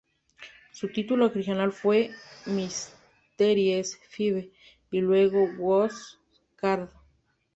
Su título original fue "Mysteries Five", y luego "Who's S-S-Scared?